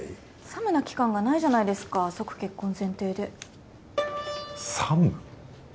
サムな期間がないじゃないですか即結婚前提でサム？